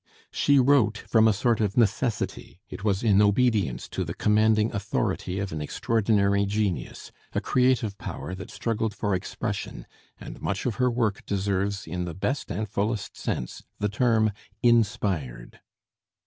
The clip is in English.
She wrote from a sort of necessity; it was in obedience to the commanding authority of an extraordinary genius, a creative power that struggled for expression, and much of her work deserves in the best and fullest sense the term "inspired."